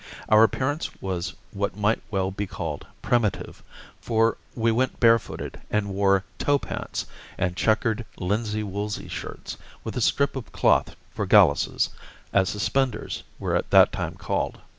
Our appearance was what might well be called primitive, for we went barefooted and wore "tow pants" and checkered "linsey woolsey" shirts, with a strip of cloth for "galluses," as suspenders were at that time called.